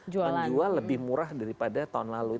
menjual lebih murah daripada tahun lalu